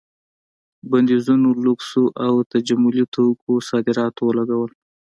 بندیزونو لوکسو او تجملي توکو صادراتو ولګول.